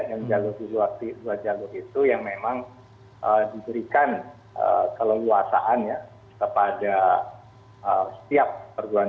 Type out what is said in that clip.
yang jalur jalur itu yang memang diberikan keleluasaannya kepada setiap perguruan